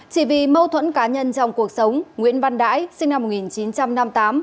chỉ vì mâu thuẫn cá nhân trong cuộc sống nguyễn văn đãi sinh năm một nghìn chín trăm năm mươi tám